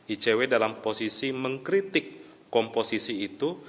icw dalam posisi mengkritik komposisi itu